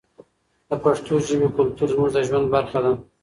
د پښتو ژبې کلتور زموږ د ژوند برخه ده.